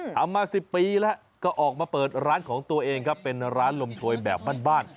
ทำมา๑๐ปีแล้วก็ออกมาเปิดร้านของตัวเองครับเป็นร้านลมโชยแบบบ้าน